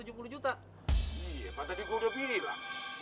iya kan tadi gue udah bilang